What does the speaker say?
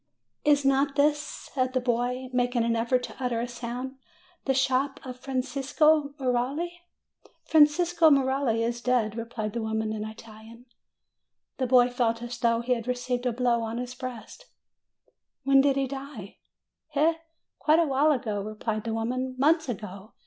"Is not this," said the boy, making an effort to utter a sound, "the shop of Francesco Merelli?" "Francesco Merelli is dead," replied the woman in Italian. The boy felt as though he had received a blow on his breast. FROM APENNINES TO THE ANDES 263 "When did he die ?" "Eh? quite a while ago," replied the woman. "Months ago.